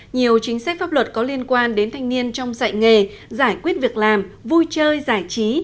nhiều chính sách pháp luật có liên quan đến thanh niên trong dạy nghề giải quyết việc làm vui chơi giải trí